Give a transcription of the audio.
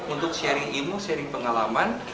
untuk sharing ilmu sharing pengalaman